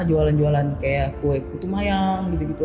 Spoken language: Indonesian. jualan jualan kayak kue kutumayang gitu gitu